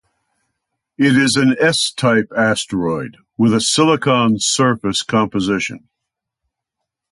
It is an S-type asteroid with a silicate surface composition.